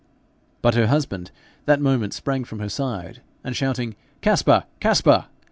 But her husband that moment sprang from her side, and shouting 'Caspar! Caspar!'